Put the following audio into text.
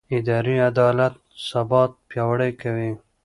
اداري عدالت ثبات پیاوړی کوي